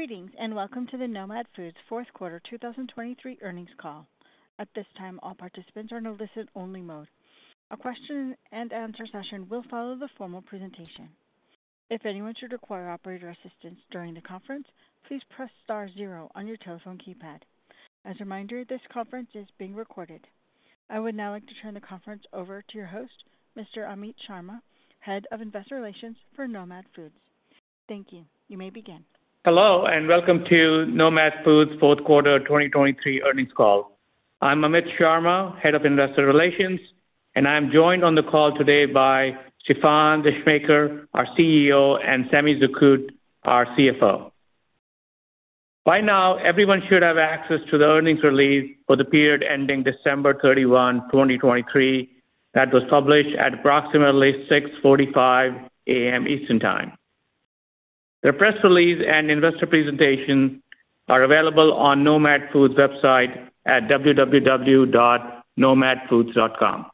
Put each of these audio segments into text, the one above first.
Greetings and welcome to the Nomad Foods fourth quarter 2023 earnings call. At this time, all participants are in a listen-only mode. A question-and-answer session will follow the formal presentation. If anyone should require operator assistance during the conference, please press star zero on your telephone keypad. As a reminder, this conference is being recorded. I would now like to turn the conference over to your host, Mr. Amit Sharma, head of investor relations for Nomad Foods. Thank you. You may begin. Hello and welcome to Nomad Foods fourth quarter 2023 earnings call. I'm Amit Sharma, head of investor relations, and I'm joined on the call today by Stéfan Descheemaeker, our CEO, and Samy Zekhout, our CFO. By now, everyone should have access to the earnings release for the period ending December 31, 2023. That was published at approximately 6:45 A.M. Eastern Time. The press release and investor presentation are available on Nomad Foods website at www.nomadfoods.com.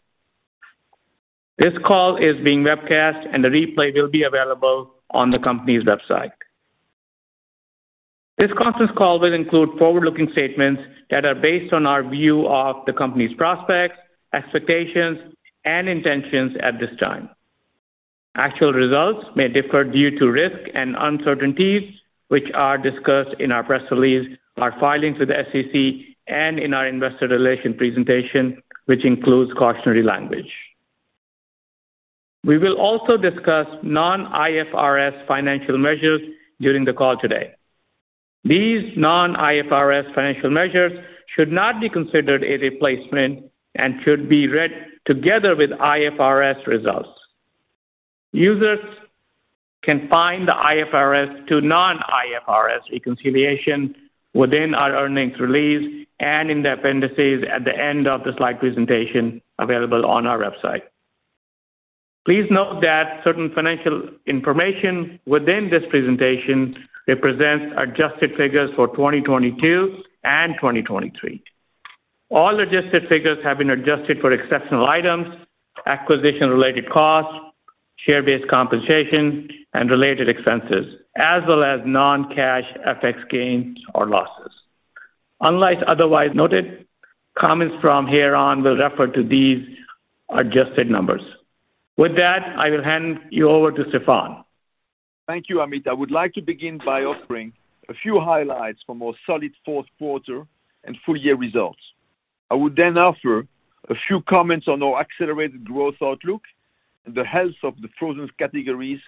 This call is being webcast, and the replay will be available on the company's website. This conference call will include forward-looking statements that are based on our view of the company's prospects, expectations, and intentions at this time. Actual results may differ due to risks and uncertainties, which are discussed in our press release, our filings with the SEC, and in our investor relations presentation, which includes cautionary language. We will also discuss non-IFRS financial measures during the call today. These non-IFRS financial measures should not be considered a replacement and should be read together with IFRS results. Users can find the IFRS to non-IFRS reconciliation within our earnings release and in the appendices at the end of the slide presentation available on our website. Please note that certain financial information within this presentation represents adjusted figures for 2022 and 2023. All adjusted figures have been adjusted for exceptional items, acquisition-related costs, share-based compensation, and related expenses, as well as non-cash FX gains or losses. Unless otherwise noted, comments from here on will refer to these adjusted numbers. With that, I will hand you over to Stéfan. Thank you, Amit. I would like to begin by offering a few highlights from our solid fourth quarter and full-year results. I would then offer a few comments on our accelerated growth outlook and the health of the frozen categories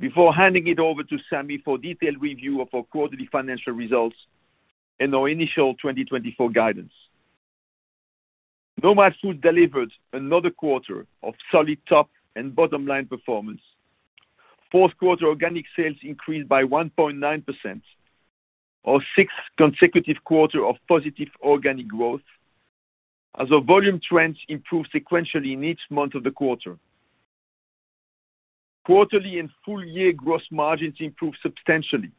before handing it over to Samy for detailed review of our quarterly financial results and our initial 2024 guidance. Nomad Foods delivered another quarter of solid top and bottom-line performance. Fourth quarter organic sales increased by 1.9%, our sixth consecutive quarter of positive organic growth, as our volume trends improved sequentially in each month of the quarter. Quarterly and full-year gross margins improved substantially,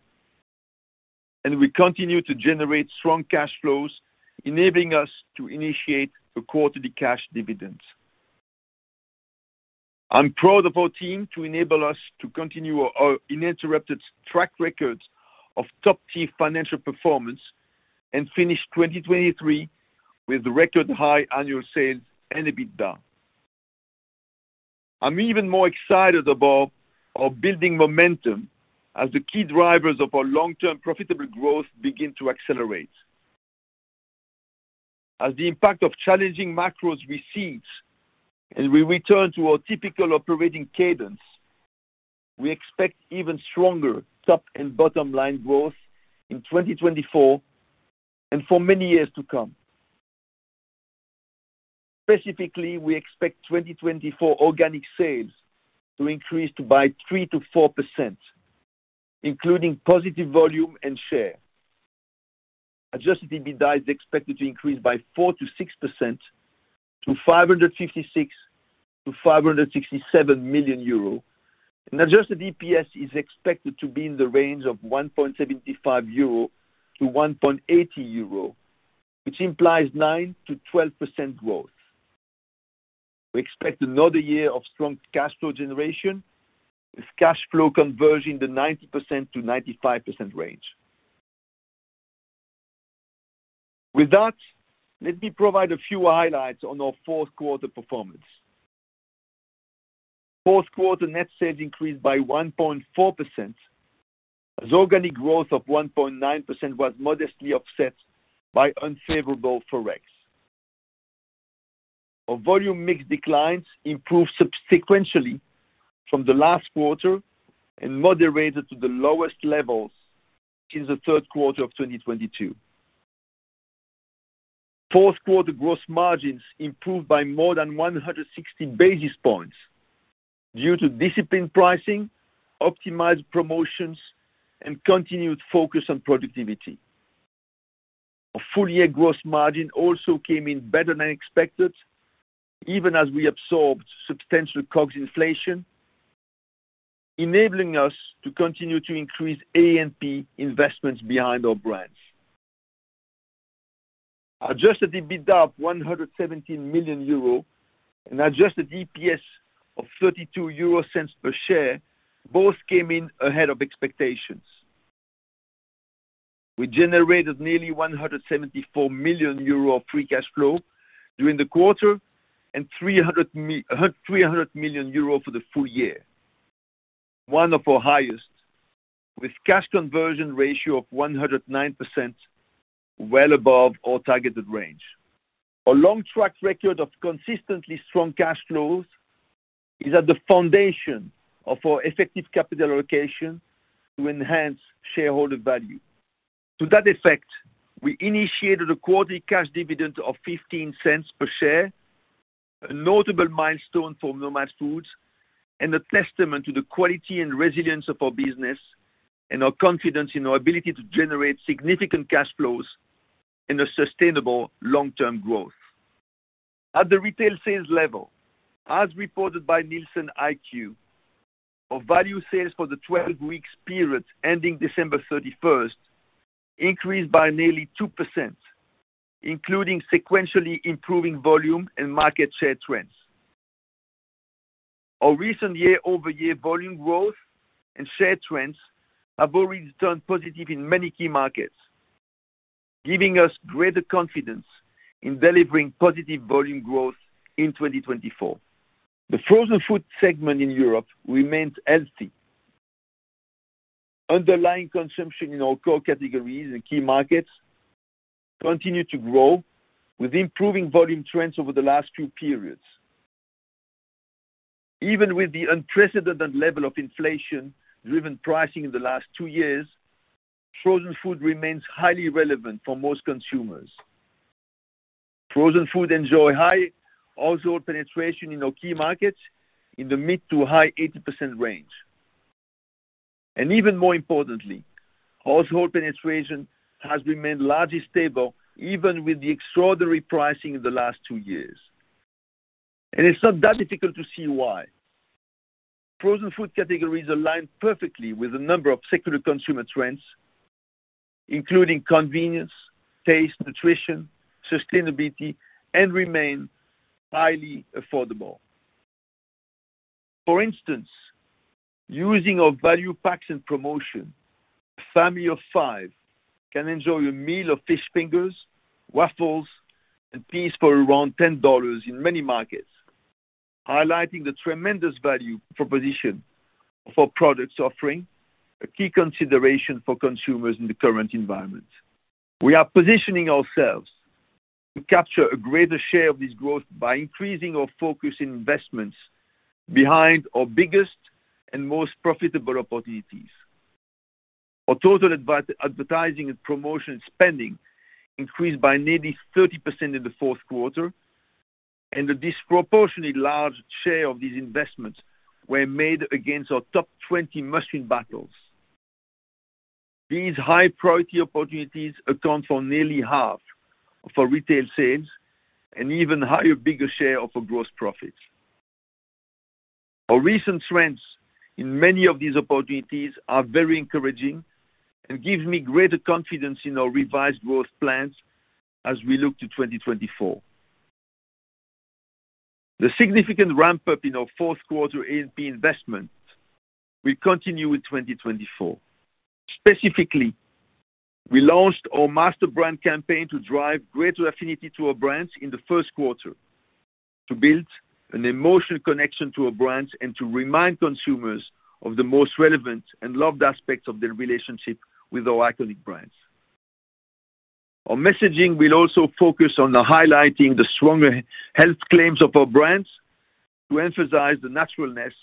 and we continue to generate strong cash flows, enabling us to initiate a quarterly cash dividend. I'm proud of our team to enable us to continue our uninterrupted track record of top-tier financial performance and finish 2023 with record-high annual sales and EBITDA. I'm even more excited about our building momentum as the key drivers of our long-term profitable growth begin to accelerate. As the impact of challenging macros recedes and we return to our typical operating cadence, we expect even stronger top- and bottom-line growth in 2024 and for many years to come. Specifically, we expect 2024 organic sales to increase by 3%-4%, including positive volume and share. Adjusted EBITDA is expected to increase by 4%-6% to 556 million-567 million euro, and adjusted EPS is expected to be in the range of 1.75-1.80 euro, which implies 9%-12% growth. We expect another year of strong cash flow generation with cash flow conversion in the 90%-95% range. With that, let me provide a few highlights on our fourth quarter performance. Fourth quarter net sales increased by 1.4%, as organic growth of 1.9% was modestly offset by unfavorable Forex. Our volume mix declines improved sequentially from the last quarter and moderated to the lowest levels in the third quarter of 2022. Fourth quarter gross margins improved by more than 160 basis points due to disciplined pricing, optimized promotions, and continued focus on productivity. Our full-year gross margin also came in better than expected, even as we absorbed substantial COGS inflation, enabling us to continue to increase A&P investments behind our brands. Adjusted EBITDA of 117 million euro and adjusted EPS of 0.32 per share both came in ahead of expectations. We generated nearly 174 million euro of free cash flow during the quarter and 300 million euro for the full year, one of our highest, with cash conversion ratio of 109% well above our targeted range. Our long track record of consistently strong cash flows is at the foundation of our effective capital allocation to enhance shareholder value. To that effect, we initiated a quarterly cash dividend of 0.15 per share, a notable milestone for Nomad Foods and a testament to the quality and resilience of our business and our confidence in our ability to generate significant cash flows and a sustainable long-term growth. At the retail sales level, as reported by NielsenIQ, our value sales for the 12-week period ending December 31 increased by nearly 2%, including sequentially improving volume and market share trends. Our recent year-over-year volume growth and share trends have already turned positive in many key markets, giving us greater confidence in delivering positive volume growth in 2024. The frozen food segment in Europe remains healthy. Underlying consumption in our core categories and key markets continued to grow, with improving volume trends over the last few periods. Even with the unprecedented level of inflation-driven pricing in the last two years, frozen food remains highly relevant for most consumers. Frozen food enjoy high household penetration in our key markets in the mid- to high 80% range. And even more importantly, household penetration has remained largely stable even with the extraordinary pricing in the last two years. It's not that difficult to see why. Frozen food categories align perfectly with a number of secular consumer trends, including convenience, taste, nutrition, sustainability, and remain highly affordable. For instance, using our value packs and promotion, a family of five can enjoy a meal of fish fingers, waffles, and peas for around $10 in many markets, highlighting the tremendous value proposition of our products offering, a key consideration for consumers in the current environment. We are positioning ourselves to capture a greater share of this growth by increasing our focus in investments behind our biggest and most profitable opportunities. Our total advertising and promotion spending increased by nearly 30% in the fourth quarter, and a disproportionately large share of these investments were made against our top 20 must-win battles. These high-priority opportunities account for nearly half of our retail sales and even higher bigger share of our gross profits. Our recent trends in many of these opportunities are very encouraging and give me greater confidence in our revised growth plans as we look to 2024. The significant ramp-up in our fourth quarter A&P investments will continue with 2024. Specifically, we launched our master brand campaign to drive greater affinity to our brands in the first quarter, to build an emotional connection to our brands and to remind consumers of the most relevant and loved aspects of their relationship with our iconic brands. Our messaging will also focus on highlighting the stronger health claims of our brands to emphasize the naturalness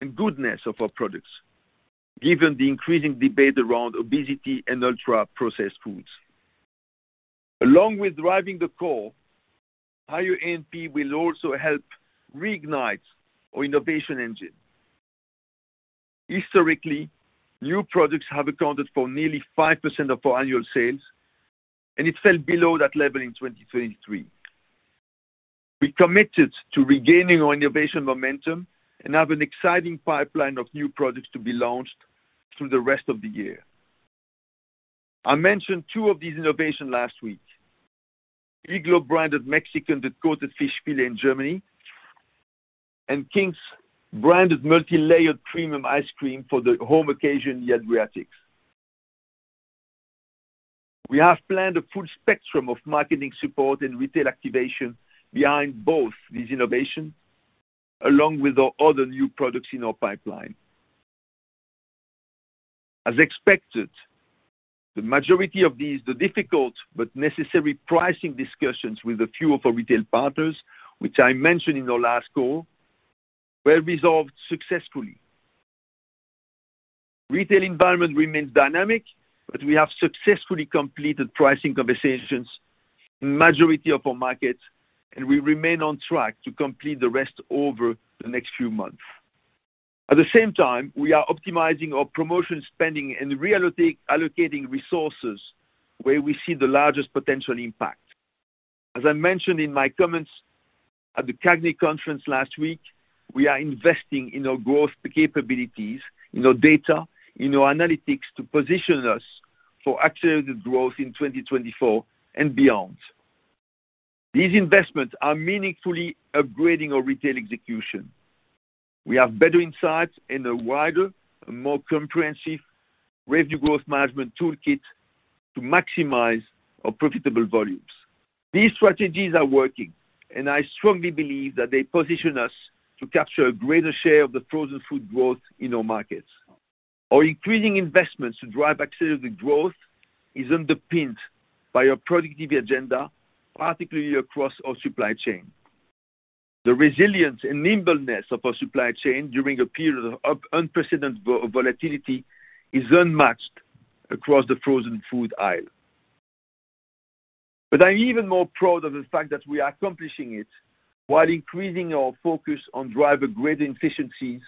and goodness of our products, given the increasing debate around obesity and ultra-processed foods. Along with driving the core, higher A&P will also help reignite our innovation engine. Historically, new products have accounted for nearly 5% of our annual sales, and it fell below that level in 2023. We committed to regaining our innovation momentum and have an exciting pipeline of new products to be launched through the rest of the year. I mentioned two of these innovations last week, Iglo branded Mexican coated fish fillet in Germany and King branded multi-layered premium ice cream for the home occasion in the Adriatics. We have planned a full spectrum of marketing support and retail activation behind both these innovations, along with our other new products in our pipeline. As expected, the majority of these difficult but necessary pricing discussions with a few of our retail partners, which I mentioned in our last call, were resolved successfully. Retail environment remains dynamic, but we have successfully completed pricing conversations in the majority of our markets, and we remain on track to complete the rest over the next few months. At the same time, we are optimizing our promotion spending and reallocating resources where we see the largest potential impact. As I mentioned in my comments at the CAGNY conference last week, we are investing in our growth capabilities, in our data, in our analytics to position us for accelerated growth in 2024 and beyond. These investments are meaningfully upgrading our retail execution. We have better insights and a wider, more comprehensive revenue growth management toolkit to maximize our profitable volumes. These strategies are working, and I strongly believe that they position us to capture a greater share of the frozen food growth in our markets. Our increasing investments to drive accelerated growth is underpinned by our productivity agenda, particularly across our supply chain. The resilience and nimbleness of our supply chain during a period of unprecedented volatility is unmatched across the frozen food aisle. But I'm even more proud of the fact that we are accomplishing it while increasing our focus on driving greater efficiencies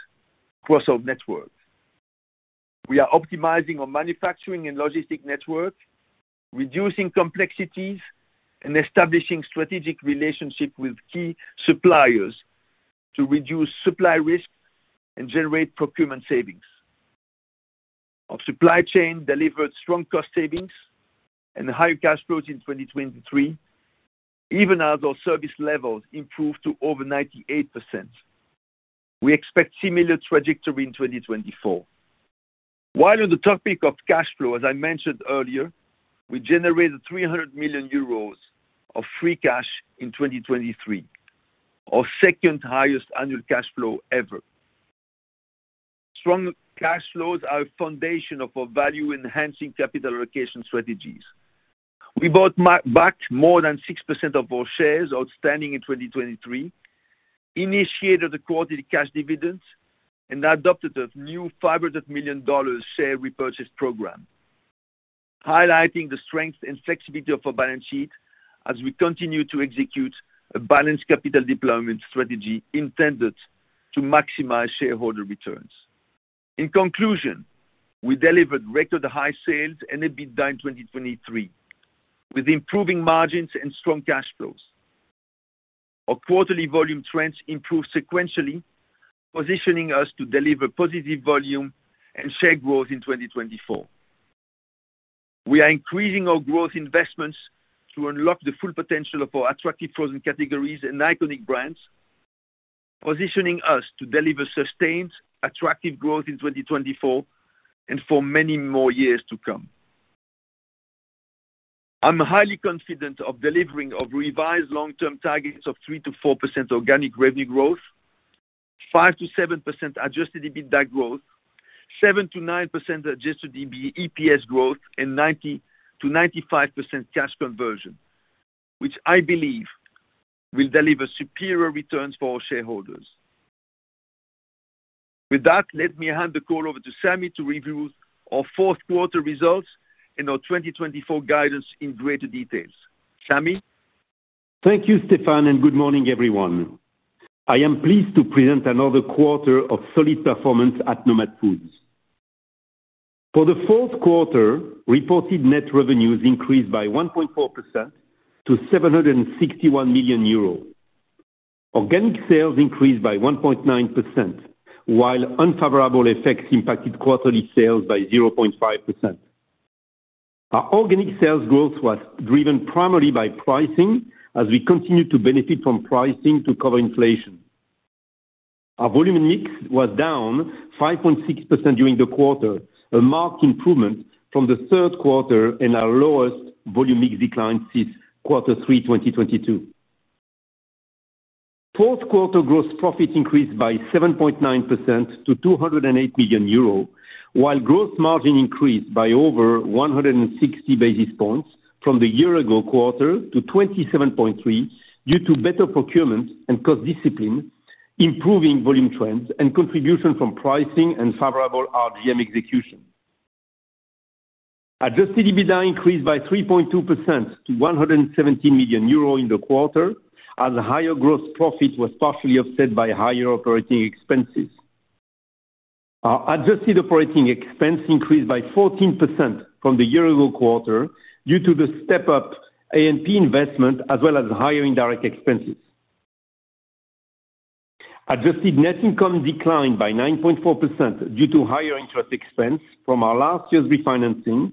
across our network. We are optimizing our manufacturing and logistics network, reducing complexities, and establishing strategic relationships with key suppliers to reduce supply risk and generate procurement savings. Our supply chain delivered strong cost savings and higher cash flows in 2023, even as our service levels improved to over 98%. We expect a similar trajectory in 2024. While on the topic of cash flow, as I mentioned earlier, we generated 300 million euros of free cash in 2023, our second highest annual cash flow ever. Strong cash flows are a foundation of our value-enhancing capital allocation strategies. We bought back more than 6% of our shares outstanding in 2023, initiated a quarterly cash dividend, and adopted a new $500 million share repurchase program, highlighting the strength and flexibility of our balance sheet as we continue to execute a balanced capital deployment strategy intended to maximize shareholder returns. In conclusion, we delivered record-high sales and EBITDA in 2023, with improving margins and strong cash flows. Our quarterly volume trends improved sequentially, positioning us to deliver positive volume and share growth in 2024. We are increasing our growth investments to unlock the full potential of our attractive frozen categories and iconic brands, positioning us to deliver sustained, attractive growth in 2024 and for many more years to come. I'm highly confident of delivering our revised long-term targets of 3%-4% organic revenue growth, 5%-7% adjusted EBITDA growth, 7%-9% adjusted EPS growth, and 90%-95% cash conversion, which I believe will deliver superior returns for our shareholders. With that, let me hand the call over to Samy to review our fourth quarter results and our 2024 guidance in greater details. Samy. Thank you, Stéfan, and good morning, everyone. I am pleased to present another quarter of solid performance at Nomad Foods. For the fourth quarter, reported net revenues increased by 1.4% to 761 million euros. Organic sales increased by 1.9%, while unfavorable FX impacted quarterly sales by 0.5%. Our organic sales growth was driven primarily by pricing as we continue to benefit from pricing to cover inflation. Our volume mix was down 5.6% during the quarter, a marked improvement from the third quarter and our lowest volume mix decline since quarter three 2022. Fourth quarter gross profit increased by 7.9% to 208 million euro, while gross margin increased by over 160 basis points from the year-ago quarter to 27.3% due to better procurement and cost discipline, improving volume trends and contribution from pricing and favorable RGM execution. Adjusted EBITDA increased by 3.2% to 117 million euro in the quarter, as higher gross profit was partially offset by higher operating expenses. Our adjusted operating expense increased by 14% from the year-ago quarter due to the step-up A&P investment as well as higher indirect expenses. Adjusted net income declined by 9.4% due to higher interest expense from our last year's refinancing,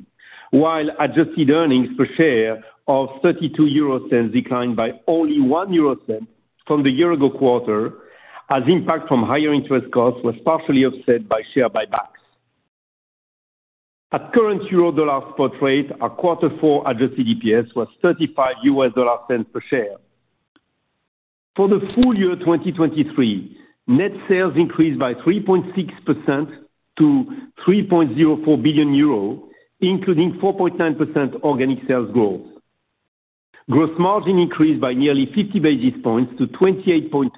while adjusted earnings per share of €0.32 declined by only €0.01 from the year-ago quarter, as impact from higher interest costs was partially offset by share buybacks. At current euro-dollar spot rate, our quarter four adjusted EPS was $0.35 per share. For the full year 2023, net sales increased by 3.6% to €3.04 billion, including 4.9% organic sales growth. Gross margin increased by nearly 50 basis points to 28.2%,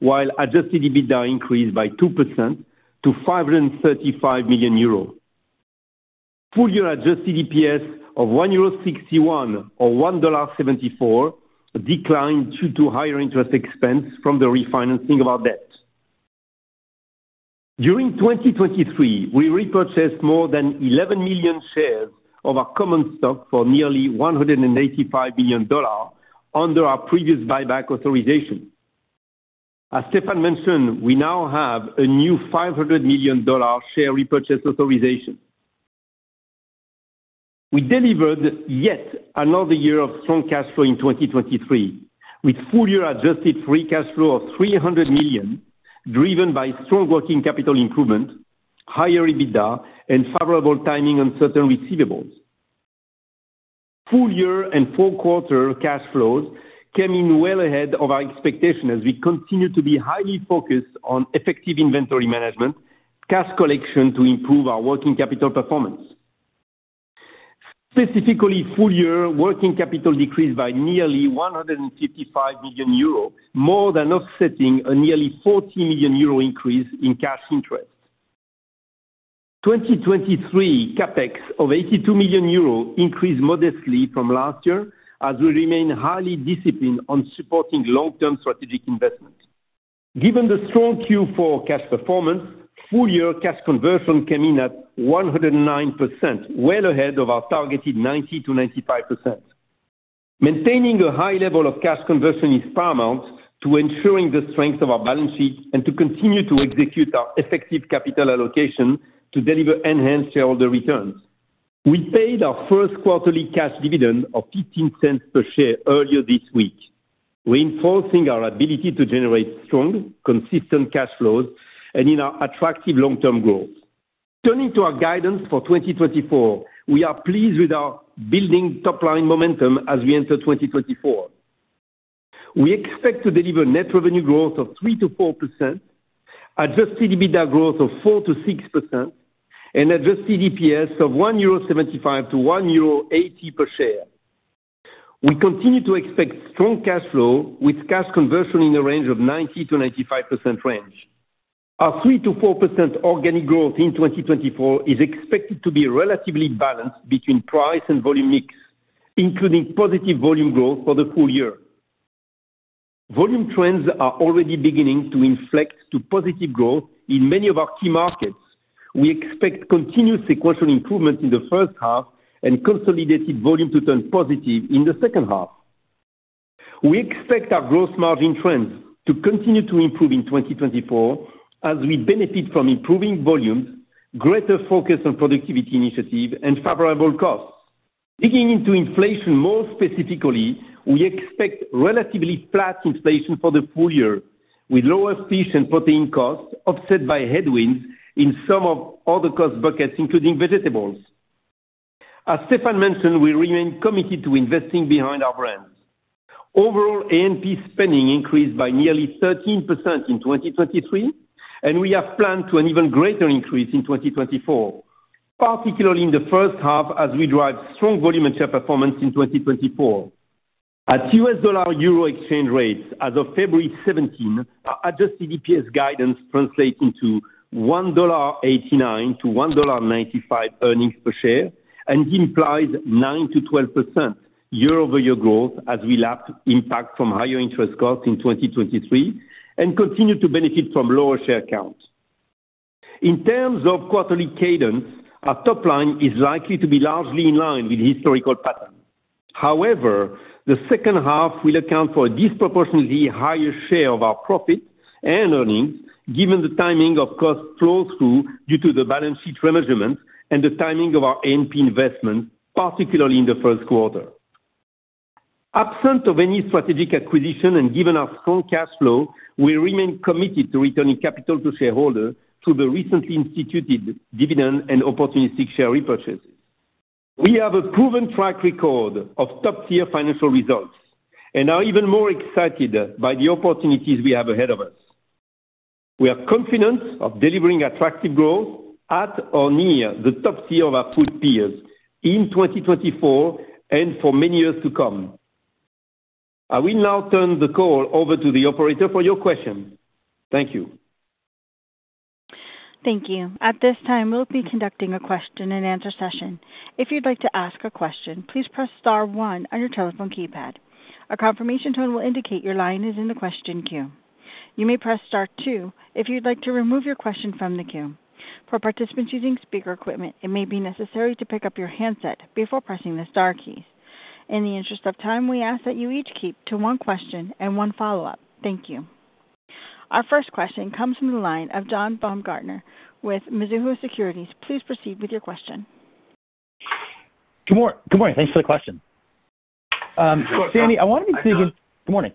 while adjusted EBITDA increased by 2% to €535 million. Full year adjusted EPS of €1.61 or $1.74 declined due to higher interest expense from the refinancing of our debt. During 2023, we repurchased more than 11 million shares of our common stock for nearly $185 million under our previous buyback authorization. As Stéfan mentioned, we now have a new $500 million share repurchase authorization. We delivered yet another year of strong cash flow in 2023, with full year adjusted free cash flow of 300 million driven by strong working capital improvement, higher EBITDA, and favorable timing on certain receivables. Full year and fourth quarter cash flows came in well ahead of our expectation as we continue to be highly focused on effective inventory management, cash collection to improve our working capital performance. Specifically, full year working capital decreased by nearly 155 million euros, more than offsetting a nearly 40 million euro increase in cash interest. 2023 CapEx of 82 million euros increased modestly from last year as we remain highly disciplined on supporting long-term strategic investments. Given the strong Q4 cash performance, full year cash conversion came in at 109%, well ahead of our targeted 90%-95%. Maintaining a high level of cash conversion is paramount to ensuring the strength of our balance sheet and to continue to execute our effective capital allocation to deliver enhanced shareholder returns. We paid our first quarterly cash dividend of $0.15 per share earlier this week, reinforcing our ability to generate strong, consistent cash flows and in our attractive long-term growth. Turning to our guidance for 2024, we are pleased with our building top-line momentum as we enter 2024. We expect to deliver net revenue growth of 3%-4%, adjusted EBITDA growth of 4%-6%, and adjusted EPS of 1.75-1.80 euro per share. We continue to expect strong cash flow with cash conversion in a range of 90%-95% range. Our 3%-4% organic growth in 2024 is expected to be relatively balanced between price and volume mix, including positive volume growth for the full year. Volume trends are already beginning to inflect to positive growth in many of our key markets. We expect continued sequential improvement in the first half and consolidated volume to turn positive in the second half. We expect our gross margin trends to continue to improve in 2024 as we benefit from improving volumes, greater focus on productivity initiative, and favorable costs. Digging into inflation more specifically, we expect relatively flat inflation for the full year, with lower fish and protein costs offset by headwinds in some other cost buckets, including vegetables. As Stéfan mentioned, we remain committed to investing behind our brands. Overall A&P spending increased by nearly 13% in 2023, and we have planned for an even greater increase in 2024, particularly in the first half as we drive strong volume and share performance in 2024. At U.S. dollar euro exchange rates as of 17 February, our adjusted EPS guidance translates into $1.89-$1.95 earnings per share, and implies 9%-12% year-over-year growth as we lap impact from higher interest costs in 2023 and continue to benefit from lower share counts. In terms of quarterly cadence, our top-line is likely to be largely in line with historical patterns. However, the second half will account for a disproportionately higher share of our profit and earnings given the timing of cost flow-through due to the balance sheet remeasurements and the timing of our A&P investments, particularly in the first quarter. Absent of any strategic acquisition and given our strong cash flow, we remain committed to returning capital to shareholders through the recently instituted dividend and opportunistic share repurchases. We have a proven track record of top-tier financial results and are even more excited by the opportunities we have ahead of us. We are confident of delivering attractive growth at or near the top-tier of our food peers in 2024 and for many years to come. I will now turn the call over to the operator for your question. Thank you. Thank you. At this time, we'll be conducting a question and answer session. If you'd like to ask a question, please press star one on your telephone keypad. A confirmation tone will indicate your line is in the question queue. You may press star two if you'd like to remove your question from the queue. For participants using speaker equipment, it may be necessary to pick up your handset before pressing the star keys. In the interest of time, we ask that you each keep to one question and one follow-up. Thank you. Our first question comes from the line of John Baumgartner with Mizuho Securities. Please proceed with your question. Good morning. Good morning. Thanks for the question. Samy, I wanted to dig in. Good morning.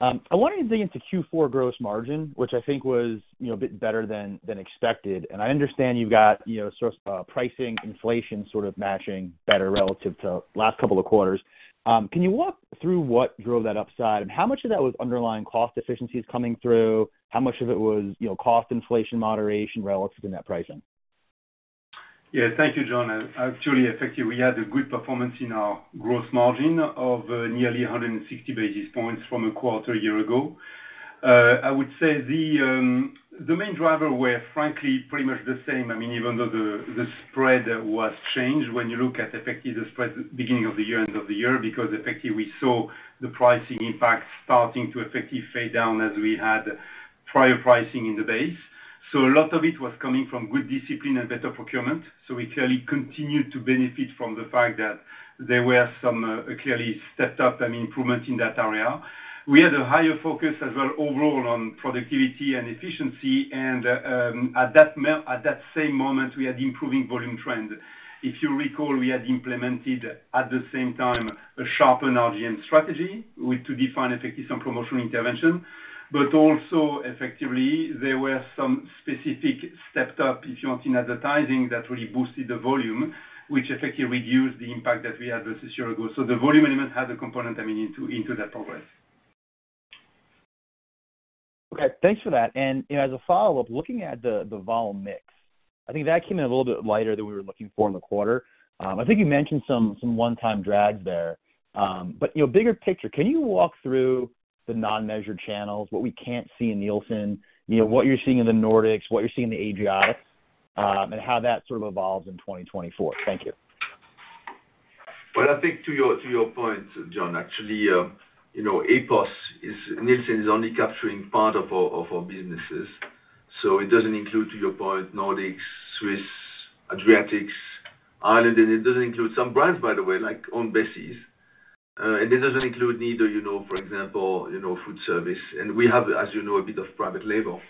I wanted to dig into Q4 gross margin, which I think was, you know, a bit better than expected. I understand you've got, you know, sourcing, pricing, inflation sort of matching better relative to last couple of quarters. Can you walk through what drove that upside and how much of that was underlying cost efficiencies coming through? How much of it was, you know, cost inflation moderation relative to that pricing? Yeah. Thank you, John. Actually, effectively, we had a good performance in our gross margin of nearly 160 basis points from a quarter year ago. I would say the main driver were, frankly, pretty much the same. I mean, even though the spread was changed when you look at effectively the spread beginning of the year end of the year because effectively we saw the pricing impact starting to effectively fade down as we had prior pricing in the base. So a lot of it was coming from good discipline and better procurement. So we clearly continued to benefit from the fact that there were some, clearly stepped up, I mean, improvements in that area. We had a higher focus as well overall on productivity and efficiency. And, at that, at that same moment, we had improving volume trend. If you recall, we had implemented at the same time a sharpened RGM strategy with to define effectively some promotional intervention. But also, effectively, there were some specific stepped up, if you want, in advertising that really boosted the volume, which effectively reduced the impact that we had versus year ago. So the volume element had a component, I mean, into that progress. Okay. Thanks for that. You know, as a follow-up, looking at the volume mix, I think that came in a little bit lighter than we were looking for in the quarter. I think you mentioned some one-time drags there. You know, bigger picture, can you walk through the non-measured channels, what we can't see in Nielsen, you know, what you're seeing in the Nordics, what you're seeing in the Adriatic, and how that sort of evolves in 2024? Thank you. Well, I think to your point, John, actually, you know, EPOS, Nielsen is only capturing part of our businesses. So it doesn't include, to your point, Nordics, Swiss, Adriatic, Ireland. And it doesn't include some brands, by the way, like own brands. And it doesn't include neither, you know, for example, you know, food service. And we have, as you know, a bit of private label.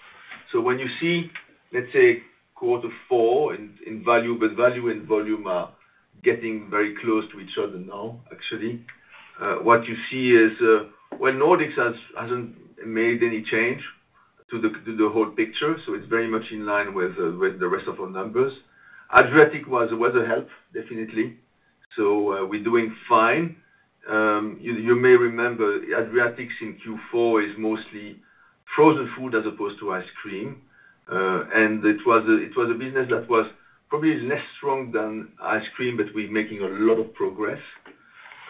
So when you see, let's say, quarter four in value, but value and volume are getting very close to each other now, actually, what you see is, well, Nordics hasn't made any change to the whole picture. So it's very much in line with the rest of our numbers. Adriatic was a weather help, definitely. So, we're doing fine. You may remember, Adriatic in Q4 is mostly frozen food as opposed to ice cream. And it was a business that was probably less strong than ice cream, but we're making a lot of progress.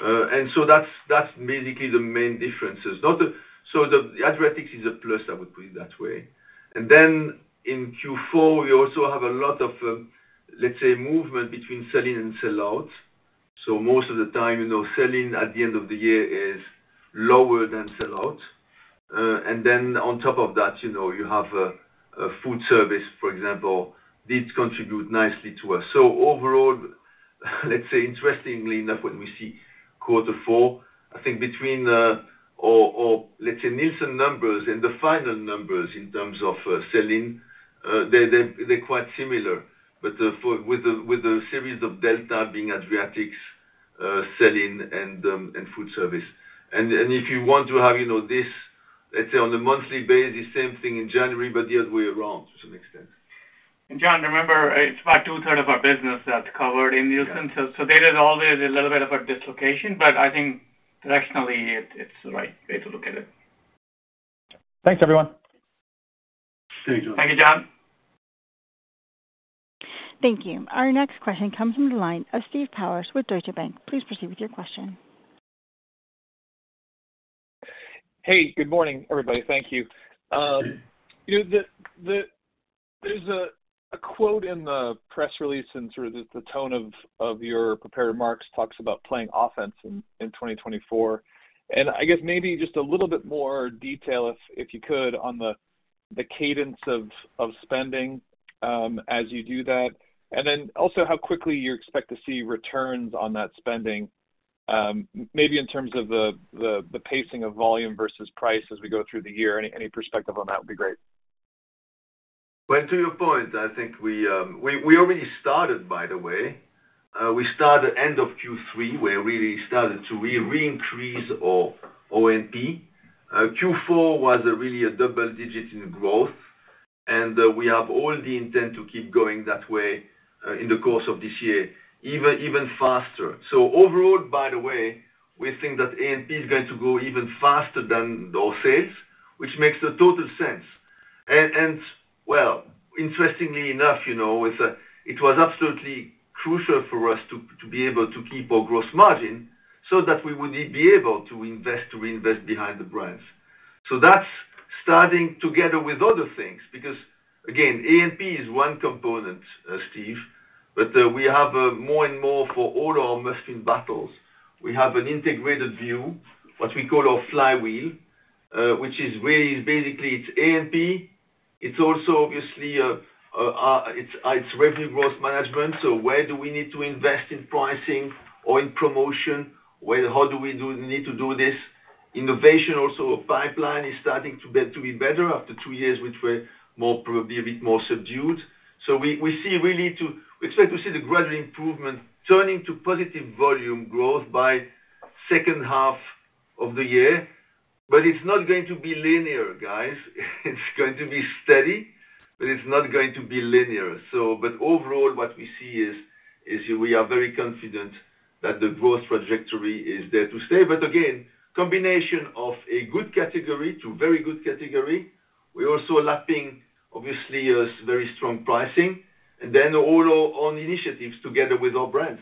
And so that's basically the main differences. Not so, the Adriatic is a plus, I would put it that way. And then in Q4, we also have a lot of, let's say, movement between sell-in and sell-out. So most of the time, you know, sell-in at the end of the year is lower than sell-out. And then on top of that, you know, you have a food service, for example, did contribute nicely to us. So overall, let's say, interestingly enough, when we see quarter four, I think between or let's say Nielsen numbers and the final numbers in terms of sell-in, they're quite similar. But for the series of delta being acquisitions, sell-in, and food service. And if you want to have, you know, this, let's say, on a monthly basis, same thing in January, but the other way around to some extent. John, remember, it's about two-thirds of our business that's covered in Nielsen. So there is always a little bit of a dislocation, but I think directionally, it's the right way to look at it. Thanks, everyone. Thank you, John. Thank you, John. Thank you. Our next question comes from the line of Stephen Powers with Deutsche Bank. Please proceed with your question. Hey. Good morning, everybody. Thank you. You know, there's a quote in the press release and sort of the tone of your prepared remarks talks about playing offense in 2024. And I guess maybe just a little bit more detail, if you could, on the cadence of spending, as you do that, and then also how quickly you expect to see returns on that spending, maybe in terms of the pacing of volume versus price as we go through the year. Any perspective on that would be great. Well, to your point, I think we already started, by the way. We started end of Q3. We really started to re-increase our A&P. Q4 was really a double-digit in growth. And we have all the intent to keep going that way, in the course of this year, even faster. So overall, by the way, we think that A&P is going to go even faster than our sales, which makes total sense. And well, interestingly enough, you know, with it was absolutely crucial for us to be able to keep our gross margin so that we would be able to invest to reinvest behind the brands. So that's starting together with other things because, again, A&P is one component, Steve, but we have more and more for all our must-win battles. We have an integrated view, what we call our flywheel, which really is basically our A&P. It's also, obviously, revenue growth management. So where do we need to invest in pricing or in promotion? Where, how do we need to do this? Innovation also, pipeline is starting to be better after two years, which were probably a bit more subdued. So we see really, we expect to see the gradual improvement turning to positive volume growth by second half of the year. But it's not going to be linear, guys. It's going to be steady, but it's not going to be linear. But overall, what we see is we are very confident that the growth trajectory is there to stay. But again, combination of a good category too very good category. We're also lapping, obviously, us very strong pricing and then all our own initiatives together with our brands.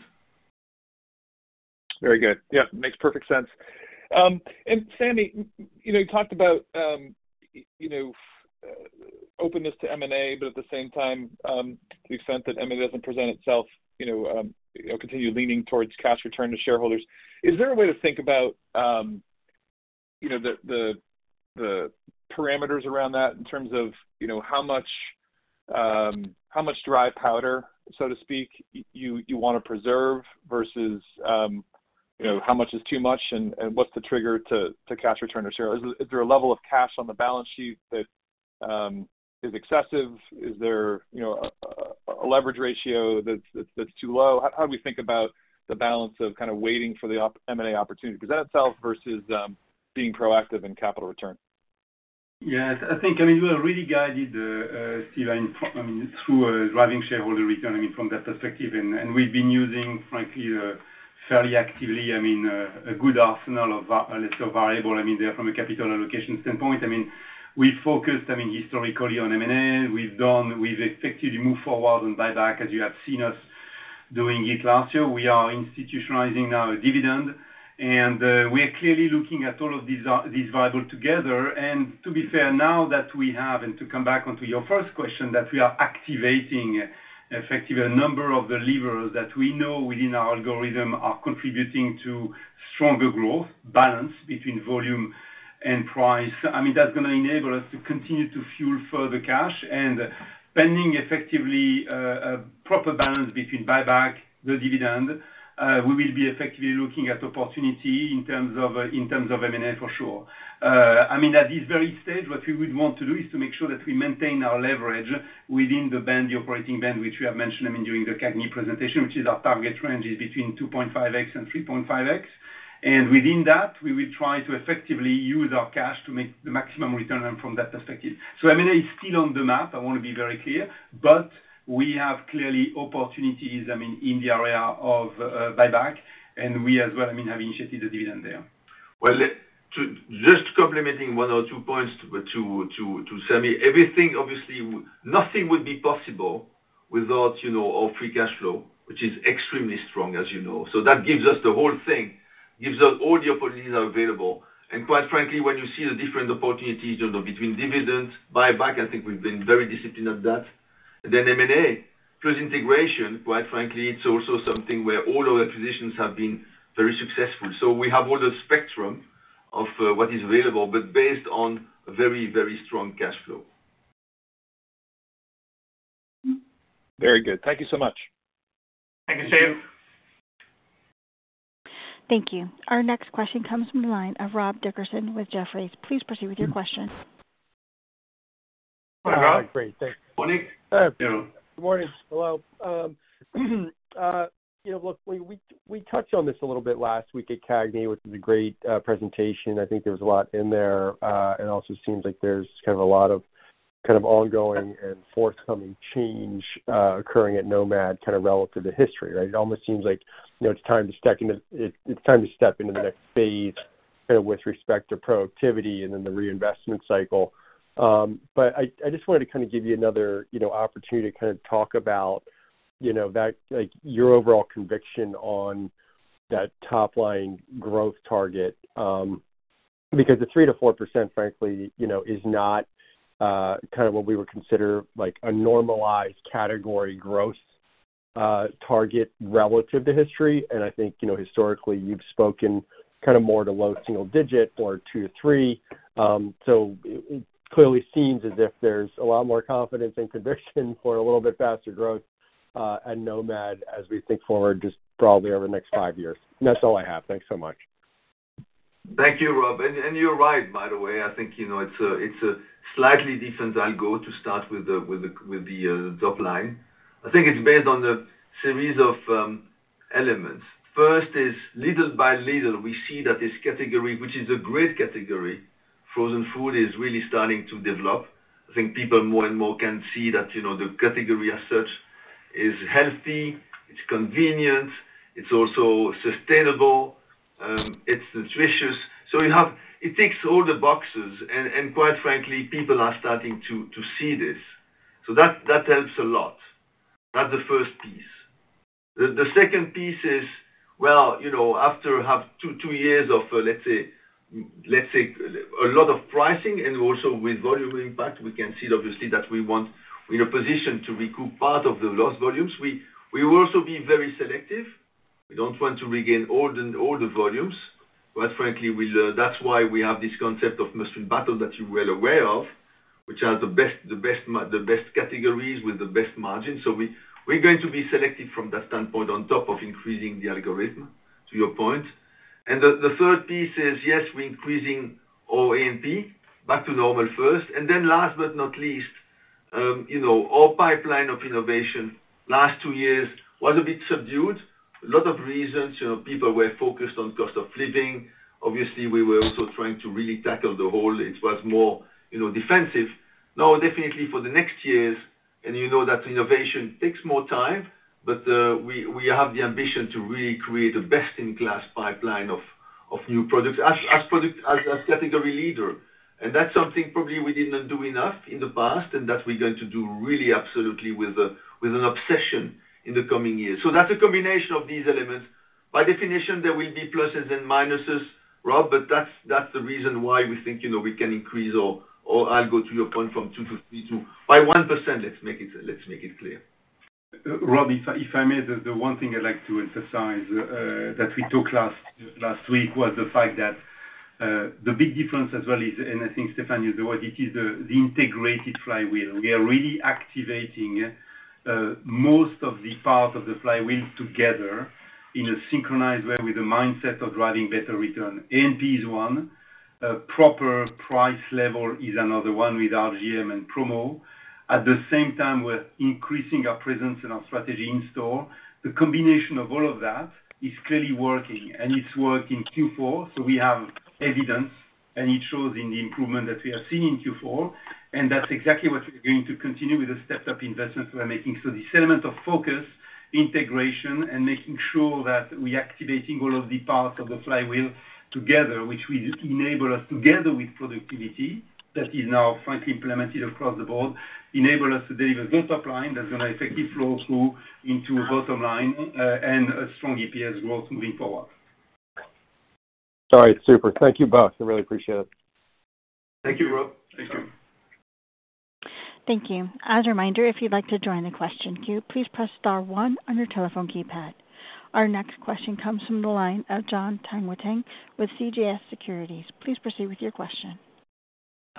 Very good. Yeah. Makes perfect sense. Samy, you know, you talked about, you know, openness to M&A, but at the same time, to the extent that M&A doesn't present itself, you know, you know, continue leaning towards cash return to shareholders. Is there a way to think about, you know, the parameters around that in terms of, you know, how much dry powder, so to speak, you want to preserve versus, you know, how much is too much and what's the trigger to cash return to shareholders? Is there a level of cash on the balance sheet that is excessive? Is there, you know, a leverage ratio that's too low? How do we think about the balance of kind of waiting for the opportune M&A opportunity to present itself versus being proactive in capital return? Yeah. I think I mean, we were really guided, Steve, I mean, through driving shareholder return, I mean, from that perspective. And we've been using, frankly, fairly actively, I mean, a good arsenal of a list of variables. I mean, they're from a capital allocation standpoint, I mean, we focused, I mean, historically on M&A. We've effectively moved forward on buyback as you have seen us doing it last year. We are institutionalizing now a dividend. And we are clearly looking at all of these variables together. And to be fair, now that we have, and to come back onto your first question, that we are activating, effectively, a number of the levers that we know within our algorithm are contributing to stronger growth, balance between volume and price, I mean, that's going to enable us to continue to fuel further cash. Pending effectively a proper balance between buyback, the dividend, we will be effectively looking at opportunity in terms of in terms of M&A for sure. I mean, at this very stage, what we would want to do is to make sure that we maintain our leverage within the band, the operating band, which you have mentioned, I mean, during the CAGNY presentation, which is our target range is between 2.5x and 3.5x. Within that, we will try to effectively use our cash to make the maximum return from that perspective. So M&A is still on the map, I want to be very clear, but we have clearly opportunities, I mean, in the area of buyback. We as well, I mean, have initiated the dividend there. Well, to just complementing one or two points to Samy, everything, obviously, nothing would be possible without, you know, our free cash flow, which is extremely strong, as you know. So that gives us the whole thing, gives us all the opportunities that are available. And quite frankly, when you see the different opportunities, you know, between dividend, buyback, I think we've been very disciplined at that. And then M&A, plus integration, quite frankly, it's also something where all our acquisitions have been very successful. So we have all the spectrum of, what is available, but based on very, very strong cash flow. Very good. Thank you so much. Thank you, Steve. Thank you. Our next question comes from the line of Rob Dickerson with Jefferies. Please proceed with your question. Good morning, Rob. Great. Thanks. Morning. Good morning. Hello. You know, look, we touched on this a little bit last week at CAGNY, which was a great presentation. I think there was a lot in there. It also seems like there's kind of a lot of kind of ongoing and forthcoming change occurring at Nomad kind of relative to history, right? It almost seems like, you know, it's time to step into the next phase kind of with respect to productivity and then the reinvestment cycle. But I just wanted to kind of give you another, you know, opportunity to kind of talk about, you know, that, like, your overall conviction on that top-line growth target, because the 3%-4%, frankly, you know, is not kind of what we would consider, like, a normalized category growth target relative to history. I think, you know, historically, you've spoken kind of more to low single digit or two-three. So it clearly seems as if there's a lot more confidence and conviction for a little bit faster growth at Nomad as we think forward just probably over the next five years. And that's all I have. Thanks so much. Thank you, Rob. And you're right, by the way. I think, you know, it's a slightly different. I'll go to start with the top line. I think it's based on the series of elements. First is little by little, we see that this category, which is a great category, frozen food is really starting to develop. I think people more and more can see that, you know, the category as such is healthy. It's convenient. It's also sustainable. It's nutritious. So you have it ticks all the boxes. And quite frankly, people are starting to see this. So that helps a lot. That's the first piece. The second piece is, well, you know, after having two years of, let's say, a lot of pricing and also with volume impact, we can see, obviously, that we're in a position to recoup part of the lost volumes. We will also be very selective. We don't want to regain all the volumes. Quite frankly, that's why we have this concept of must-win battle that you're well aware of, which has the best categories with the best margin. So we're going to be selective from that standpoint on top of increasing the algorithm, to your point. And the third piece is, yes, we're increasing our A&P back to normal first. And then last but not least, you know, our pipeline of innovation last two years was a bit subdued. A lot of reasons, you know, people were focused on cost of living. Obviously, we were also trying to really tackle the whole. It was more, you know, defensive. Now, definitely for the next years, and you know that innovation takes more time, but we have the ambition to really create a best-in-class pipeline of new products as product as category leader. That's something probably we didn't do enough in the past and that we're going to do really absolutely with an obsession in the coming years. That's a combination of these elements. By definition, there will be pluses and minuses, Rob, but that's the reason why we think, you know, we can increase our. I'll go to your point from 2% to 3% by 1%. Let's make it clear. Rob, if I may, there's one thing I'd like to emphasize, that we talked last week was the fact that, the big difference as well is, and I think Stéfan used the word, it is the integrated flywheel. We are really activating most of the part of the flywheel together in a synchronized way with a mindset of driving better return. A&P is one. Proper price level is another one with RGM and promo. At the same time, we're increasing our presence and our strategy in-store. The combination of all of that is clearly working. And it's worked in Q4. So we have evidence, and it shows in the improvement that we have seen in Q4. And that's exactly what we're going to continue with the stepped-up investments we're making. So this element of focus, integration, and making sure that we're activating all of the parts of the flywheel together, which will enable us together with productivity that is now, frankly, implemented across the board, enable us to deliver the top line that's going to effectively flow through into a bottom line, and a strong EPS growth moving forward. All right. Super. Thank you both. I really appreciate it. Thank you, Rob. Thank you. Thank you. As a reminder, if you'd like to join the question queue, please press star one on your telephone keypad. Our next question comes from the line of Jon Tanwanteng with CJS Securities. Please proceed with your question.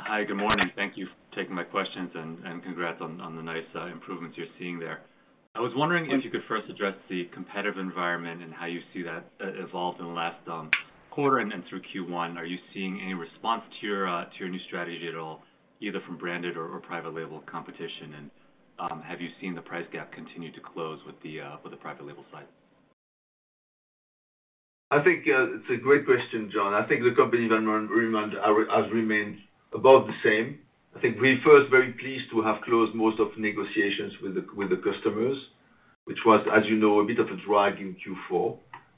Hi. Good morning. Thank you for taking my questions and congrats on the nice improvements you're seeing there. I was wondering if you could first address the competitive environment and how you see that evolve in the last quarter and through Q1. Are you seeing any response to your new strategy at all, either from branded or private label competition? And, have you seen the price gap continue to close with the private label side? I think it's a great question, John. I think the company environment has remained about the same. I think we're very pleased to have closed most of the negotiations with the customers, which was, as you know, a bit of a drag in Q4.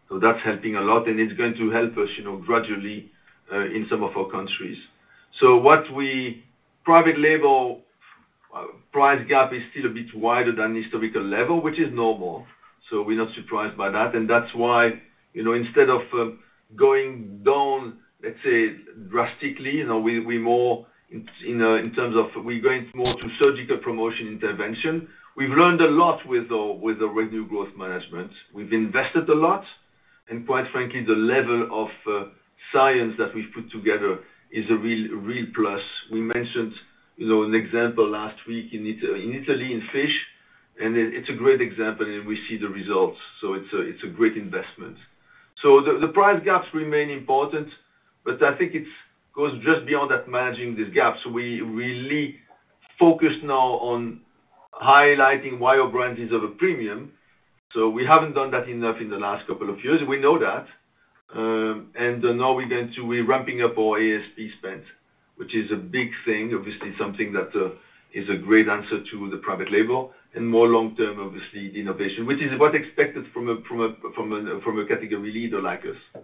So that's helping a lot. And it's going to help us, you know, gradually, in some of our countries. So the private label price gap is still a bit wider than historical level, which is normal. So we're not surprised by that. And that's why, you know, instead of going down, let's say, drastically, you know, we're more in terms of we're going more to surgical promotion intervention. We've learned a lot with our revenue growth management. We've invested a lot. And quite frankly, the level of science that we've put together is a real real plus. We mentioned, you know, an example last week in Italy in Italy in fish. And it's a great example, and we see the results. So it's a it's a great investment. So the the price gaps remain important, but I think it goes just beyond that managing this gap. So we really focus now on highlighting why our brand is of a premium. So we haven't done that enough in the last couple of years. We know that. And now we're going to we're ramping up our A&P spend, which is a big thing, obviously, something that is a great answer to the private label and more long-term, obviously, the innovation, which is what's expected from a from a from a from a category leader like us.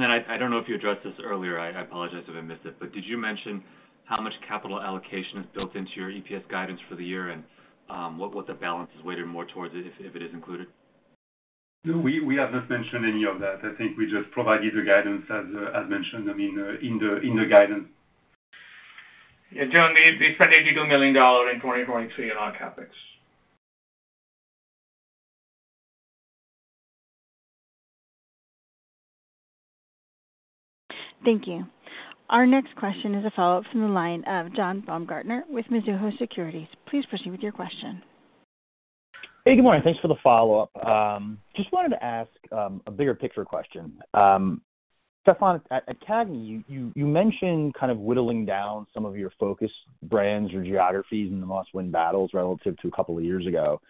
Got it. Thank you. And then I don't know if you addressed this earlier. I apologize if I missed it, but did you mention how much capital allocation is built into your EPS guidance for the year and what the balance is weighted more towards it if it is included? No, we have not mentioned any of that. I think we just provided the guidance as mentioned, I mean, in the guidance. Yeah, John, we spent $82 million in 2023 on our CapEx. Thank you. Our next question is a follow-up from the line of John Baumgartner with Mizuho Securities. Please proceed with your question. Hey, good morning. Thanks for the follow-up. Just wanted to ask a bigger picture question. Stéfan, at CAGNY, you mentioned kind of whittling down some of your focus brands or geographies in the must-win Battles relative to a couple of years ago.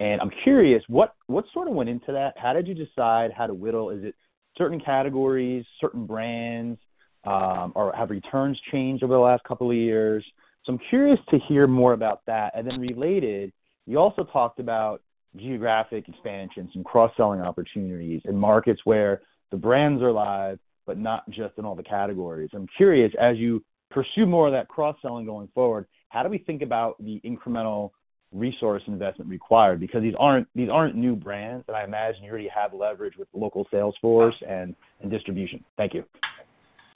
I'm curious, what sort of went into that? How did you decide how to whittle? Is it certain categories, certain brands, or have returns changed over the last couple of years? I'm curious to hear more about that. Then, related, you also talked about geographic expansions and cross-selling opportunities in markets where the brands are live but not just in all the categories. I'm curious, as you pursue more of that cross-selling going forward, how do we think about the incremental resource investment required? Because these aren't new brands, and I imagine you already have leverage with local sales force and distribution. Thank you.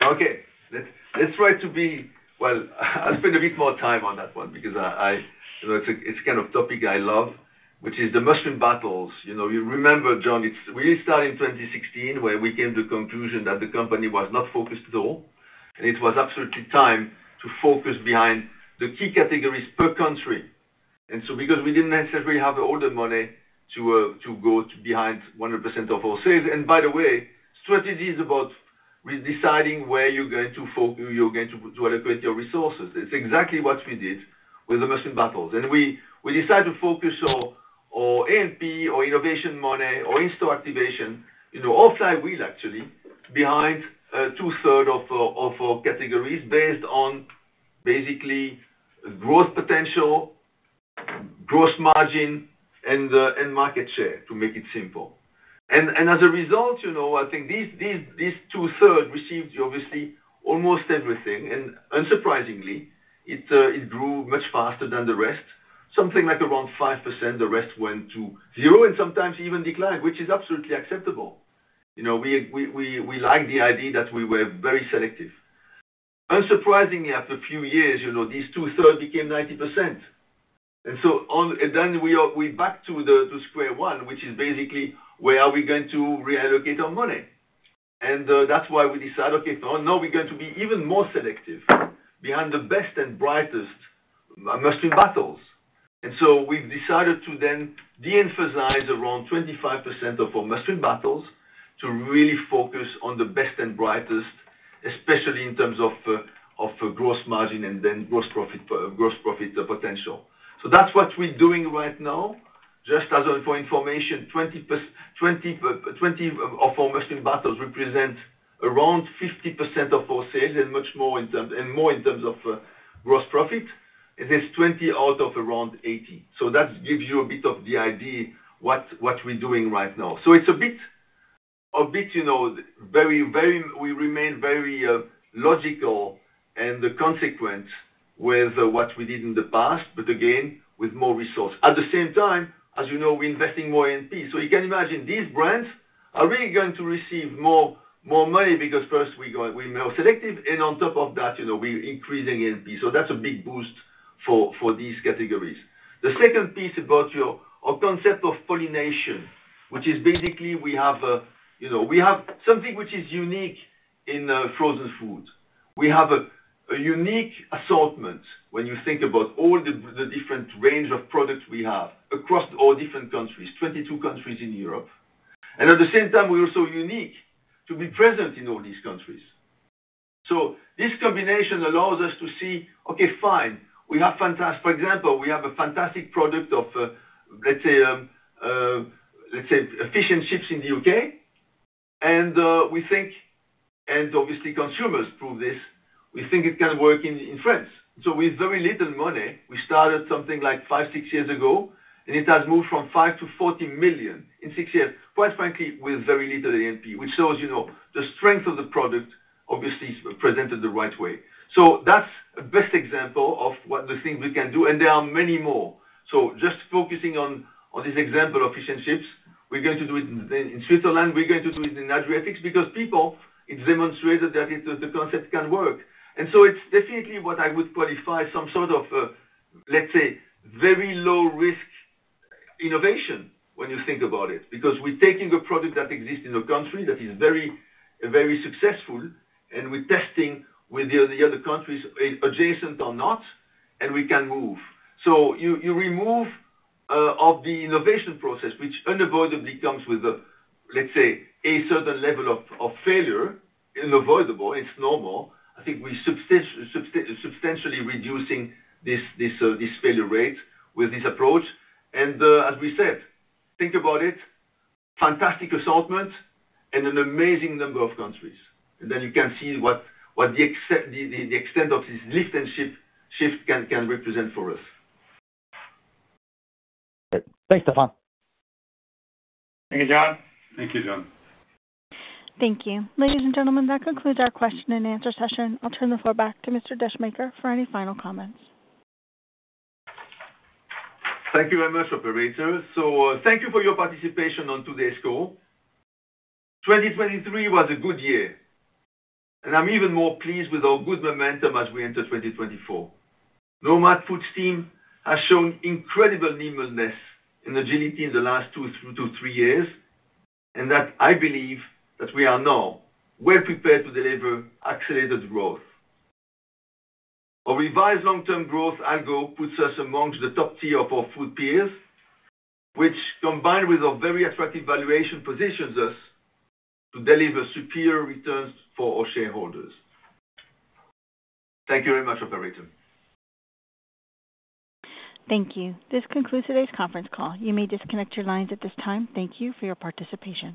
Okay. Let's try to be well, I'll spend a bit more time on that one because I you know, it's a kind of topic I love, which is the must-win battles. You know, you remember, John, it's we started in 2016 where we came to the conclusion that the company was not focused at all. And it was absolutely time to focus behind the key categories per country. And so because we didn't necessarily have all the money to go behind 100% of our sales. And by the way, strategy is about re-deciding where you're going to focus you're going to allocate your resources. It's exactly what we did with the must-win battles. And we decided to focus our A&P or innovation money or in-store activation, you know, our flywheel, actually, behind two-thirds of our categories based on basically growth potential, gross margin, and market share, to make it simple. And as a result, you know, I think these two-thirds received, obviously, almost everything. And unsurprisingly, it grew much faster than the rest, something like around 5%. The rest went to 0 and sometimes even declined, which is absolutely acceptable. You know, we like the idea that we were very selective. Unsurprisingly, after a few years, you know, these two-thirds became 90%. And so on and then we're back to square one, which is basically, where are we going to reallocate our money? That's why we decided, okay, now we're going to be even more selective behind the best and brightest must-win battles. And so we've decided to then de-emphasize around 25% of our must-win battles to really focus on the best and brightest, especially in terms of gross margin and then gross profit gross profit potential. So that's what we're doing right now. Just as for information, 20% of our must-win battles represent around 50% of our sales and much more in terms and more in terms of gross profit. And there's 20% out of around 80%. So that gives you a bit of the idea what we're doing right now. So it's a bit, you know, very very we remain very logical and consequent with what we did in the past, but again, with more resource. At the same time, as you know, we're investing more A&P. So you can imagine, these brands are really going to receive more money because first, we're more selective. And on top of that, you know, we're increasing A&P. So that's a big boost for these categories. The second piece about our concept of pollination, which is basically we have a you know, something which is unique in frozen food. We have a unique assortment when you think about all the different range of products we have across all different countries, 22 countries in Europe. And at the same time, we're also unique to be present in all these countries. So this combination allows us to see, okay, fine, for example, we have a fantastic product of, let's say, fish and chips in the UK. We think and obviously, consumers prove this. We think it can work in France. So with very little money, we started something like five-six years ago, and it has moved from 5 million to 40 million in six years, quite frankly, with very little A&P, which shows, you know, the strength of the product, obviously, presented the right way. So that's a best example of what the thing we can do. And there are many more. So just focusing on this example of fish and chips, we're going to do it in Switzerland. We're going to do it in Adriatics because people, it's demonstrated that the concept can work. It's definitely what I would qualify some sort of, let's say, very low-risk innovation when you think about it because we're taking a product that exists in a country that is very very successful, and we're testing with the other countries adjacent or not, and we can move. So you remove of the innovation process, which unavoidably comes with, let's say, a certain level of failure, unavoidable. It's normal. I think we're substantially reducing this failure rate with this approach. As we said, think about it, fantastic assortment and an amazing number of countries. And then you can see what the extent of this lift and shift can represent for us. All right. Thanks, Stéfan. Thank you, John. Thank you, John. Thank you. Ladies and gentlemen, that concludes our question and answer session. I'll turn the floor back to Mr. Descheemaeker for any final comments. Thank you very much, Operator. So thank you for your participation on today's call. 2023 was a good year. I'm even more pleased with our good momentum as we enter 2024. Nomad Foods team has shown incredible nimbleness and agility in the last 2-3 years, and that I believe that we are now well prepared to deliver accelerated growth. Our revised long-term growth algo puts us amongst the top tier of our food peers, which, combined with our very attractive valuation, positions us to deliver superior returns for our shareholders. Thank you very much, Operator. Thank you. This concludes today's conference call. You may disconnect your lines at this time. Thank you for your participation.